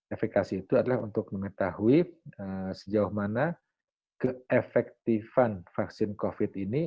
efekasi itu adalah untuk mengetahui sejauh mana keefektifan vaksin covid ini